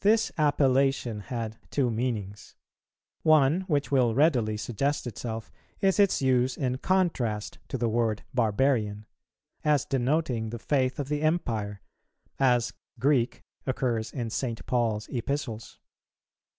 This appellation had two meanings; one, which will readily suggest itself, is its use in contrast to the word "barbarian," as denoting the faith of the Empire, as "Greek" occurs in St. Paul's Epistles.